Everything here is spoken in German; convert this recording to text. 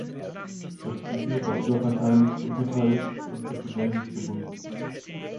Das Studio war überparteilich, unparteiisch, konfessionell nicht gebunden.